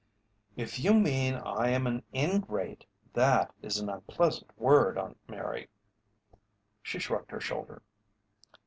"If you mean I am an ingrate, that is an unpleasant word, Aunt Mary." She shrugged her shoulder.